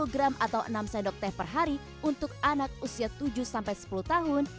dua puluh gram atau enam sendok teh per hari untuk anak usia tujuh sepuluh tahun